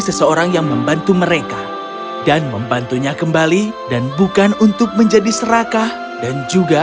seseorang yang membantu mereka dan membantunya kembali dan bukan untuk menjadi serakah dan juga